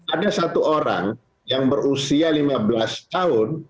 ada satu orang yang berusia lima belas tahun